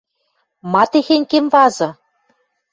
Ма техень кенвазы?